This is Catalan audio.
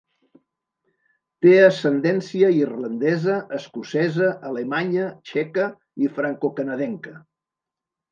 Té ascendència irlandesa, escocesa, alemanya, txeca i francocanadenca.